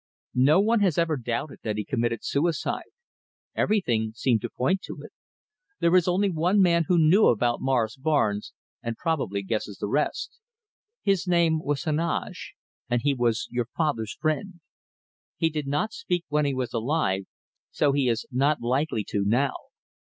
No one has ever doubted that he committed suicide. Everything seemed to point to it. There is only one man who knew about Morris Barnes and probably guesses the rest. His name was Heneage, and he was your father's friend. He did not speak when he was alive, so he is not likely to now.